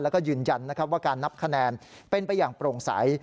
แล้วก็ยืนยันนะครับว่าการนับคะแนนเป็นไปอย่างโปร่งใส